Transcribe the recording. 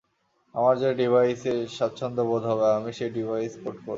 আমার যে ডিভাইসে স্বাচ্ছন্দ বোধ হবে আমি সেই ডিভাইসে কোড করবো।